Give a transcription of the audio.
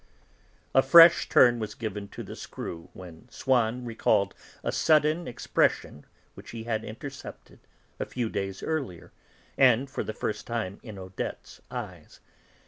A fresh turn was given to the screw when Swann recalled a sudden expression which he had intercepted, a few days earlier, and for the first time, in Odette's eyes.